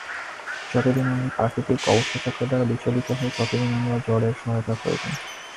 যতদিন আমরা প্রাকৃতিক অবস্থাচক্রের দ্বারা বিচলিত হই, ততদিন আমাদের জড়ের সহায়তা প্রয়োজন।